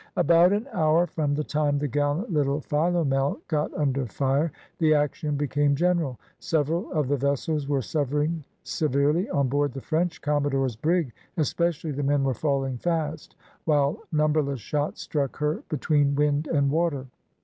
About an hour from the time the gallant little Philomel got under fire, the action became general. Several of the vessels were suffering severely; on board the French commodore's brig especially the men were falling fast, while numberless shots struck her between wind and water.